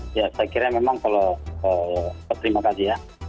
saya kira memang kalau terima kasih ya